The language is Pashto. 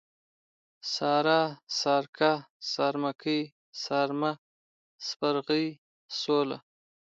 سارا ، سارکه ، سارمکۍ ، سارمه ، سپرغۍ ، سوله